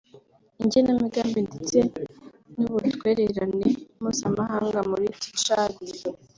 Igenamigambi ndetse n’Ubutwererane Mpuzamahanga muri Tchad